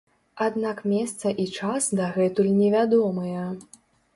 Аднак месца і час дагэтуль невядомыя.